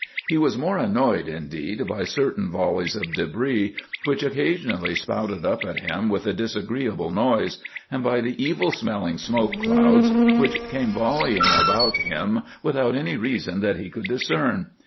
He was more annoyed, indeed, by certain volleys of débris which occasionally spouted up at him with a disagreeable noise, and by the evil smelling smoke clouds, which came volleying about him without any reason that he could discern.